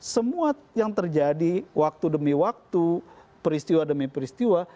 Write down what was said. semua yang terjadi waktu demi waktu peristiwa demi peristiwa